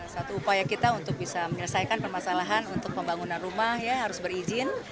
satu upaya kita untuk bisa menyelesaikan permasalahan untuk pembangunan rumah ya harus berizin